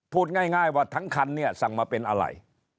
พูดง่ายว่าทั้งคันเนี่ยสั่งมาเป็นอะไร